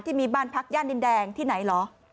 ที่มีบ้านพักย่านดินแดงที่ไหนเหรอ